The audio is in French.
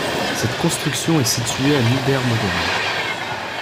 Cette construction est située à Niedermodern.